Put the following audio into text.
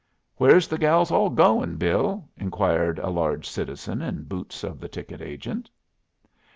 "Where's the gals all goin', Bill?" inquired a large citizen in boots of the ticket agent.